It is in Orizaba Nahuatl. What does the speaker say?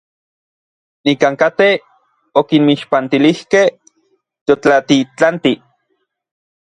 Nikankatej okinmixpantilijkej teotlatitlantij.